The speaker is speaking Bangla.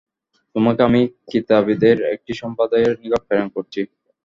তোমাকে আমি কিতাবীদের একটি সম্প্রদায়ের নিকট প্রেরণ করছি।